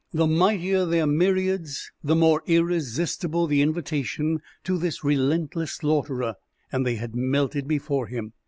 The mightier their myriads, the more irresistible the invitation to this relentless slaughterer; and they had melted before him.